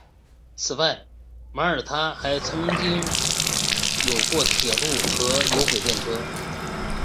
此外马尔他还曾经有过铁路和有轨电车。